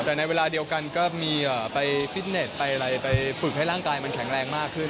แต่ในเวลาเดียวกันก็มีไปฟิตเน็ตไปอะไรไปฝึกให้ร่างกายมันแข็งแรงมากขึ้น